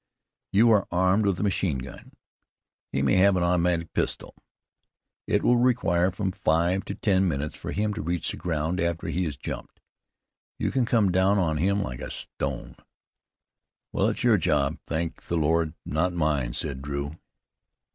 "You are armed with a machine gun. He may have an automatic pistol. It will require from five to ten minutes for him to reach the ground after he has jumped. You can come down on him like a stone. Well, it's your job, thank the Lord! not mine," said Drew.